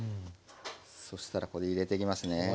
そしたらこれ入れていきますね。